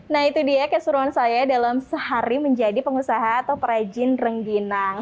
nah itu dia keseruan saya dalam sehari menjadi pengusaha atau perajin rengginang